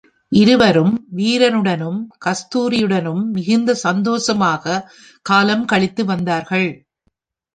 இருவரும் வீரனுடனும் கஸ்தூரியுடனும் மிகுந்த சந்தோஷமாகக் காலம் கழித்து வந்தார்கள்.